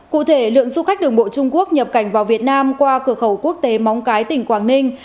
cụ thể lượng du khách đường bộ trung quốc nhập cảnh vào việt nam qua cửa khẩu quốc tế móng cái tỉnh quảng ninh